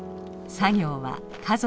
作業は家族総出。